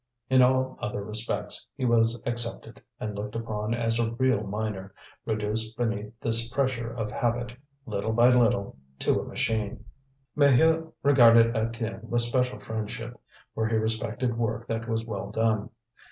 In all other respects he was accepted and looked upon as a real miner, reduced beneath this pressure of habit, little by little, to a machine. Maheu regarded Étienne with special friendship, for he respected work that was well done.